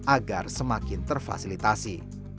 agar semakin terfasilitasi